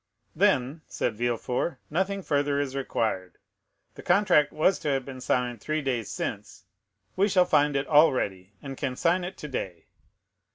"Then," said Villefort, "nothing further is required. The contract was to have been signed three days since; we shall find it all ready, and can sign it today."